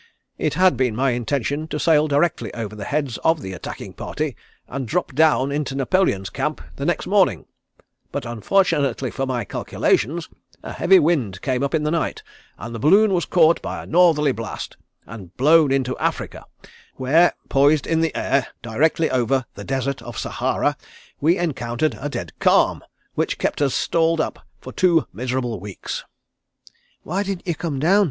"It had been my intention to sail directly over the heads of the attacking party and drop down into Napoleon's camp the next morning, but unfortunately for my calculations, a heavy wind came up in the night and the balloon was caught by a northerly blast, and blown into Africa, where, poised in the air directly over the desert of Sahara, we encountered a dead calm, which kept us stalled up for two miserable weeks." "Why didn't you come down?"